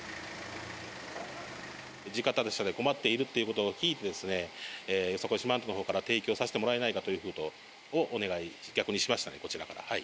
地方車で困っているということを聞いてですね、よさこい四万十のほうから提供させてもらえないかということをお願い、逆にしましたね、こちらから。